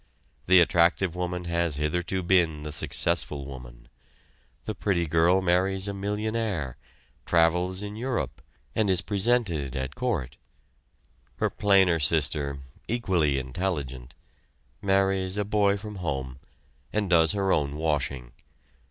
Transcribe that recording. The attractive woman has hitherto been the successful woman. The pretty girl marries a millionaire, travels in Europe, and is presented at court; her plainer sister, equally intelligent, marries a boy from home, and does her own washing.